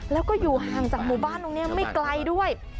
แล้วก็อยู่ห่างจากหมู่บ้านตรงนี้ไม่ไกลด้วย